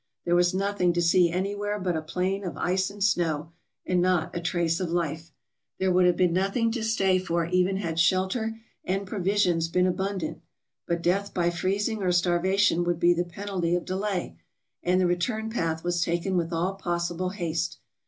There was nothing to see anywhere but a plain of ice and snow, and not a trace of life. There would have been nothing to stay for even had shelter and provisions been abundant; but death by freezing or starvation would be the penalty of delay, and the return path was taken with all possible haste.